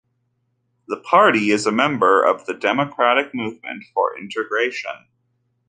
The party is a member of the Democratic Movement for Integration.